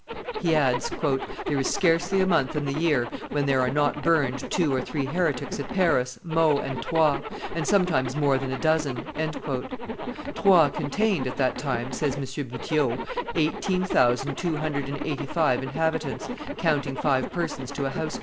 He adds, "There is scarcely a month in the year when there are not burned two or three heretics at Paris, Meaux, and Troyes, and sometimes more than a dozen." Troyes contained, at that time, says M. Boutiot, eighteen thousand two hundred and eighty five inhabitants, counting five persons to a household.